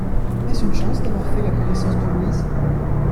Est-ce une chance d’avoir fait la connaissance de Louise?